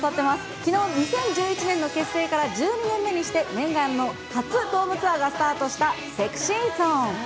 きのう、２０１１年の結成から１２年目にして、念願の初ドームツアーがスタートしたＳｅｘｙＺｏｎｅ。